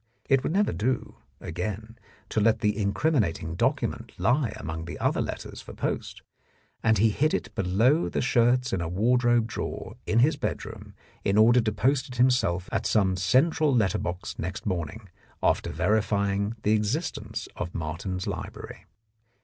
It would never do, again, to let the incrimin ating document lie among the other letters for post, and he hid it below the shirts in a wardrobe drawer in his bedroom in order to post it himself at some central letter box next morning after verifying the existence of Martin's Library.